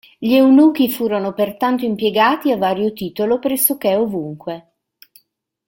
Gli eunuchi furono pertanto impiegati a vario titolo pressoché ovunque.